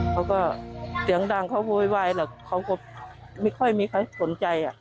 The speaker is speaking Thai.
เค้าก็เสียงดังเค้าหูยวายแหละเค้าก็ไม่ค่อยมีใครสนใจ